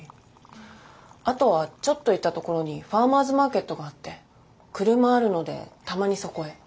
あとはちょっと行ったところにファーマーズマーケットがあって車あるのでたまにそこへ。